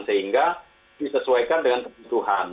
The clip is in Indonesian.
sehingga disesuaikan dengan kebutuhan